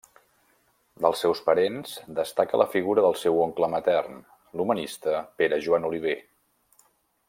Dels seus parents, destaca la figura del seu oncle matern, l'humanista Pere Joan Oliver.